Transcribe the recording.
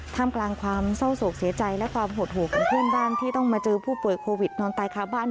กลางความเศร้าโศกเสียใจและความหดหูของเพื่อนบ้านที่ต้องมาเจอผู้ป่วยโควิดนอนตายค้าบ้าน